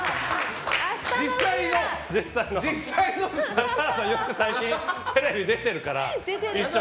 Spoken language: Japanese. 中原さん、よく最近テレビに出てるから。